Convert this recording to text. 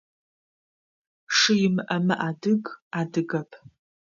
Шы имыӏэмэ адыг – адыгэп.